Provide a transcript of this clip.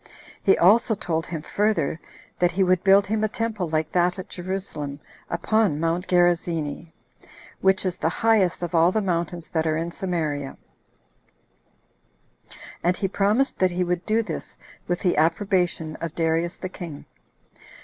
He also told him further, that he would build him a temple like that at Jerusalem, upon Mount Gerizzini, which is the highest of all the mountains that are in Samaria; and he promised that he would do this with the approbation of Darius the king.